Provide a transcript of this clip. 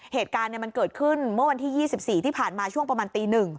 เหตุการณ์มันเกิดขึ้นเมื่อวันที่๒๔ที่ผ่านมาช่วงประมาณตี๑